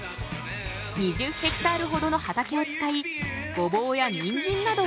２０ヘクタールほどの畑を使いごぼうやニンジンなどを生産。